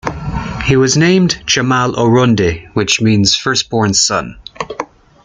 He was named Jamael Oronde which means "firstborn son,".